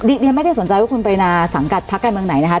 ดิฉันไม่ได้สนใจว่าคุณปรินาสังกัดภักดิ์ใกล้เมืองไหนนะคะ